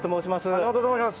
沼田と申します。